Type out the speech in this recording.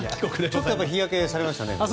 ちょっと日焼けされましたね。